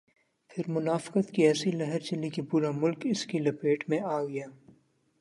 پھر منافقت کی ایسی لہر چلی کہ پورا ملک اس کی لپیٹ میں آ گیا۔